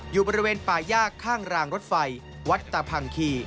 อยู่บริเวณป่ายากข้างรางรถไฟวัดตาพังคี